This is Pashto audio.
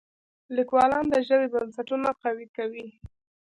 لیکوالان د ژبې بنسټونه قوي کوي.